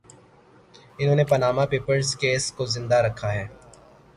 انھوں نے Panama papers case کو زندہ رکھا ہے۔